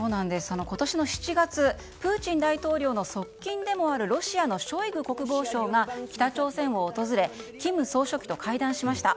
今年の７月プーチン大統領の側近でもあるロシアのショイグ国防相が北朝鮮を訪れ金総書記と会談しました。